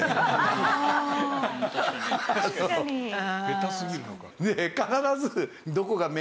ベタすぎるのか。